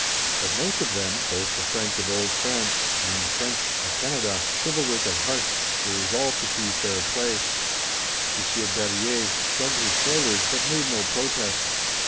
But most of them, both the French of old France and the French of Canada, chivalric of heart, were resolved to see fair play. Monsieur Berryer shrugged his shoulders, but made no protest.